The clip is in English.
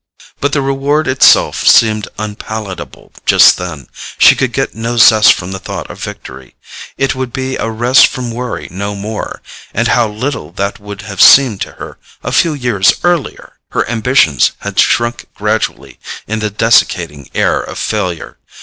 But the reward itself seemed unpalatable just then: she could get no zest from the thought of victory. It would be a rest from worry, no more—and how little that would have seemed to her a few years earlier! Her ambitions had shrunk gradually in the desiccating air of failure.